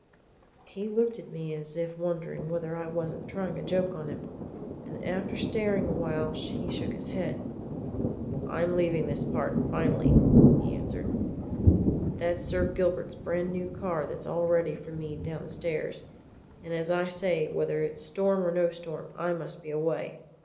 He looked at me as if wondering whether I wasn't trying a joke on him, and after staring a while he shook his head. "I'm leaving this part finally," he answered. "That's Sir Gilbert's brand new car that's all ready for me down the stairs; and as I say, whether it's storm or no storm, I must be away.